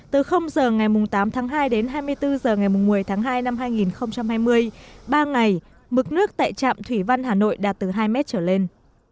từ h ngày tám tháng hai đến hai mươi bốn h ngày một mươi tháng hai năm hai nghìn hai mươi ba ngày mực nước tại trạm thủy văn hà nội đạt từ hai mét trở lên